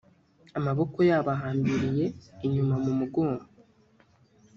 amaboko yabo ahambiriye inyuma mu mugongo